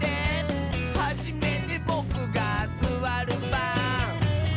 「はじめてボクがすわるばん」